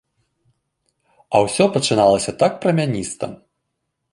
А ўсё пачыналася так прамяніста!